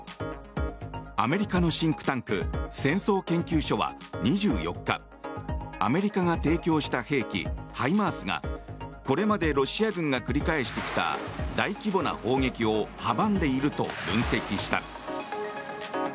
アメリカのシンクタンク戦争研究所は２４日アメリカが提供した兵器ハイマースがこれまでロシア軍が繰り返してきた大規模な砲撃を阻んでいると分析した。